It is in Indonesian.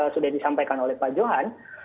sudah disampaikan oleh pak johan